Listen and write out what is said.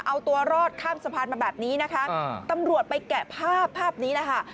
เอาตัวรอดข้ามสะพานมาแบบนี้นะคะตำรวจไปแกะภาพภาพนี้แหละค่ะ